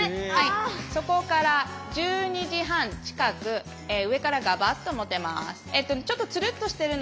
そこから１２時半近く上からガバッと持てます。